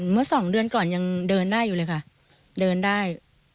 เมื่อสองเดือนก่อนยังเดินได้อยู่เลยค่ะเดินได้